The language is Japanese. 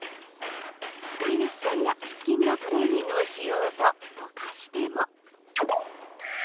飼い主さんが腹筋のトレーニングをしようとどかしても。